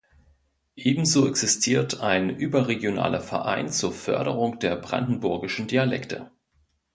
Ebenso existiert ein überregionaler Verein zur Förderung der Brandenburgischen Dialekte.